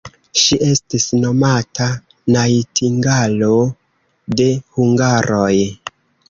Ŝi estis nomata najtingalo de hungaroj.